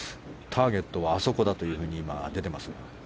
ターゲットはあそこだというふうに出ています。